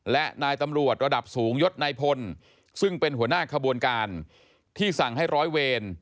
และนายตำรวจระดับสูงยศนายพลซึ่งเป็นหัวหน้าขบวนการที่สั่งให้ร้อยเวร